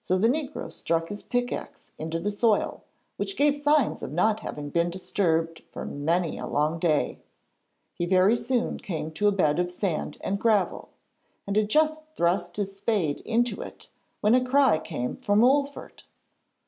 So the negro struck his pickaxe into the soil, which gave signs of not having been disturbed for many a long day. He very soon came to a bed of sand and gravel, and had just thrust his spade into it, when a cry came from Wolfert.